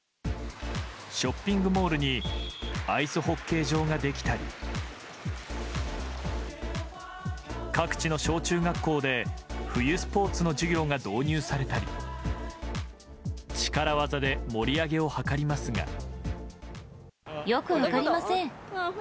ショッピングモールにアイスホッケー場ができたり各地の小中学校で冬スポーツの授業が導入されたり力技で盛り上げを図りますが。